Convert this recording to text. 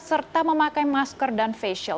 serta memakai maskerasi